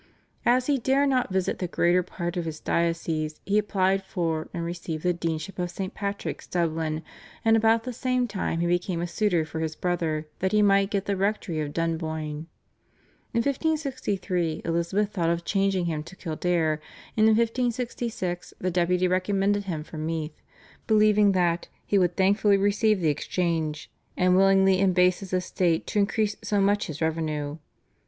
As he dare not visit the greater part of his diocese he applied for and received the Deanship of St. Patrick's, Dublin, and about the same time he became a suitor for his brother that he might get the rectory of Dunboyne. In 1563 Elizabeth thought of changing him to Kildare, and in 1566 the Deputy recommended him for Meath, believing that "he would thankfully receive the exchange, and willingly embase his estate to increase so much his revenue."